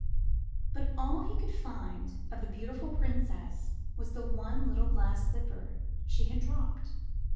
But all he could find of the beau tiful Princess was the one little glass slipper she had dropped.